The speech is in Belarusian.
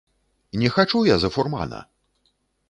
Не хачу я за фурмана!